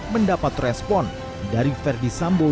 mendapat respon dari verdi sambo